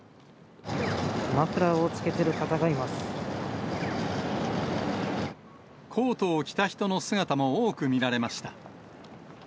マフラーをつけてる方がいまコートを着た人の姿も多く見られました。